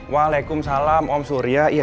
waalaikumsalam om surya